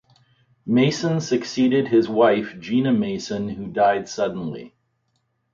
Mason succeeded his wife Gina Mason who died suddenly.